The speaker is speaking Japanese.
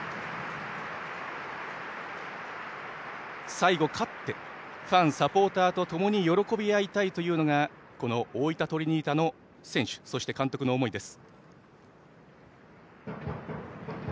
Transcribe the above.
最後、勝ってファン、サポーターとともに喜び合いたいというのが大分トリニータの選手そして監督の思いです。